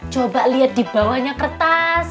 coba lihat di bawahnya kertas